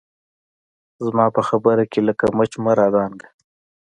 زما په خبره کښې لکه مچ مه رادانګه